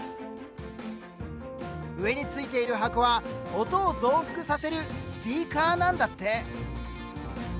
上についている箱は音を増幅させるスピーカーなんだって。